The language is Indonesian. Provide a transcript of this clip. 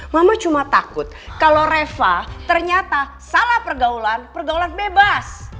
mama cuma takut kalau reva ternyata salah pergaulan pergaulan bebas